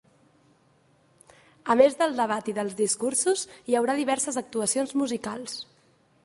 A més del debat i dels discursos, hi haurà diverses actuacions musicals.